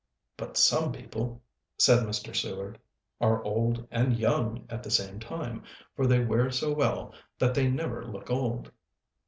"But some people," said Mr. Seward, "are old and young at the same time, for they wear so well that they never look old."